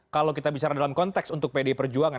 kalau kita bicara dalam konteks untuk pdi perjuangan